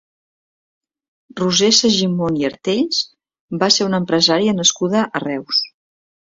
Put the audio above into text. Roser Segimon i Artells va ser una empresària nascuda a Reus.